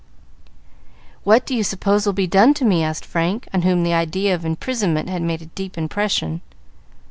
"What do you suppose will be done to me?" asked Frank, on whom the idea of imprisonment had made a deep impression.